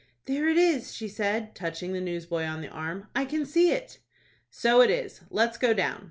"There it is," she said, touching the newsboy on the arm. "I can see it." "So it is. Let's go down."